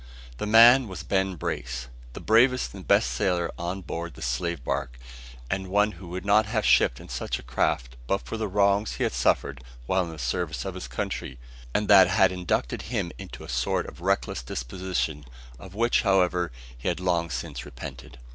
The man was Ben Brace, the bravest and best sailor on board the slave bark, and one who would not have shipped in such a craft but for wrongs he had suffered while in the service of his country, and that had inducted him into a sort of reckless disposition, of which, however, he had long since repented.